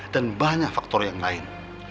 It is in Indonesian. dan banyak faktor yang lain